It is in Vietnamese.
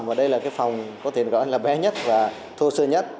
và đây là cái phòng có thể gọi là bé nhất và thô sơ nhất